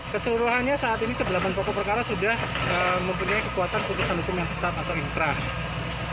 keseluruhannya saat ini ke delapan pokok perkara sudah mempunyai kekuatan putusan hukum yang tetap atau ingkrah